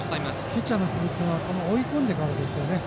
ピッチャーの鈴木君は追い込んでからですよね。